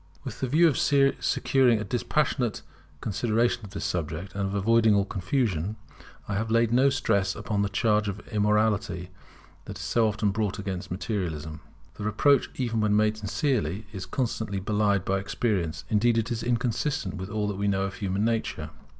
With the view of securing a dispassionate consideration of this subject, and of avoiding all confusion, I have laid no stress upon the charge of immorality that is so often brought against Materialism. The reproach, even when made sincerely, is constantly belied by experience, indeed it is inconsistent with all that we know of human nature.